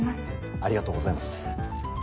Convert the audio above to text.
ありがとうございます。